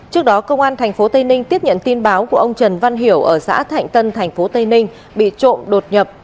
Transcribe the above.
trước đó công an tp tây ninh tiếp nhận tin báo của ông trần văn hiểu ở xã thạnh tân tp tây ninh bị trộm đột nhập